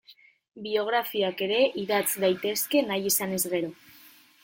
Biografiak ere idatz daitezke nahi izanez gero.